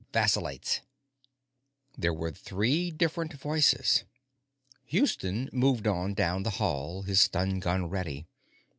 "Vacillates." There were three different voices. Houston moved on down the hall, his stun gun ready.